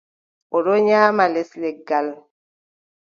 O ɗon nyaama les leggal.